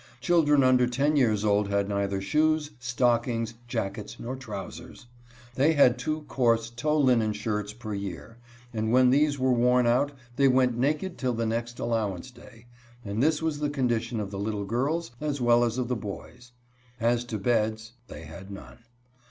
Children under ten years old had neither shoes, stockings, jackets, nor trowsers. They had two coarse tow linen shirts per year, and when these were worn out they went naked till the next allowance day — and this was the condition of the little girls as well as of the boys. As to beds, they had none.